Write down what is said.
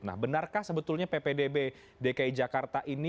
nah benarkah sebetulnya ppdb dki jakarta ini